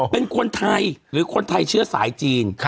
เป็นคนไทยหรือคนไทยเชื้อสายจีน